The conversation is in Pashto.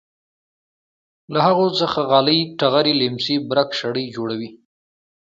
له هغو څخه غالۍ ټغرې لیمڅي برک شړۍ جوړوي.